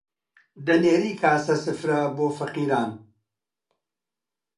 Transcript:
دەنێری کاسە سفرە بۆ فەقیران